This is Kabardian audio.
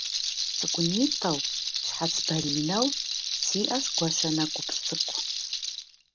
Цӏыкӏунитӏэу, щхьэц баринэу, сиӏэщ гуащэ нэкӏуплъ цӏыкӏу.